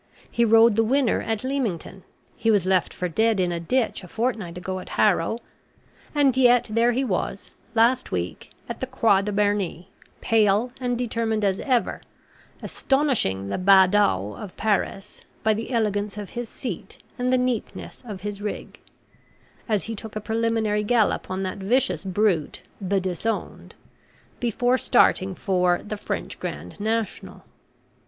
He rode the winner at Leamington; he was left for dead in a ditch a fortnight ago at Harrow; and yet there he was, last week, at the Croix de Berny, pale and determined as ever, astonishing the BADAUDS of Paris by the elegance of his seat and the neatness of his rig, as he took a preliminary gallop on that vicious brute 'The Disowned,' before starting for 'the French Grand National.'